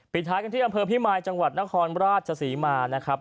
ท้ายกันที่อำเภอพิมายจังหวัดนครราชศรีมานะครับ